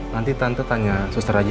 nanti tante tanya suster aja